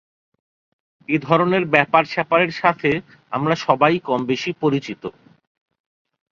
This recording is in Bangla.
এ ধরনের ব্যাপার স্যাপারের সাথে আমরা সবাই কমবেশি পরিচিত।